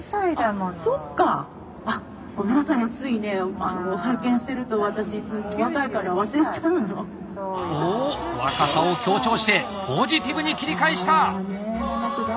ごめんなさいねついねおっ若さを強調してポジティブに切り返した！